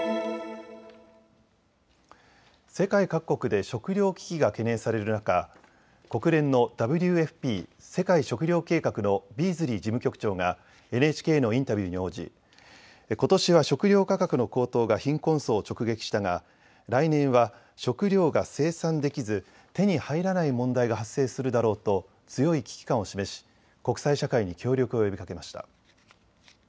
世界各国で食料危機が懸念される中、国連のＷＦＰ・世界食糧計画のビーズリー事務局長がＮＨＫのインタビューに応じ、ことしは食料価格の高騰が貧困層を直撃したが来年は食料が生産できず手に入らない問題が発生するだろうと強い危機感を示し国際社会に協力を呼びかけました。